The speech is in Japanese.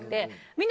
みんな。